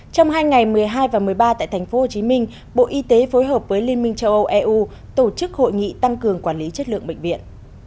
trong hai ngày một mươi hai và một mươi ba tại tp hcm bộ y tế phối hợp với liên minh châu âu eu tổ chức hội nghị tăng cường quản lý chất lượng bệnh viện